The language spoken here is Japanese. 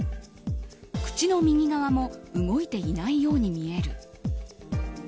口の右側も動いていないように見える。